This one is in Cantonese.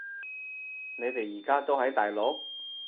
你哋而家都喺大陸？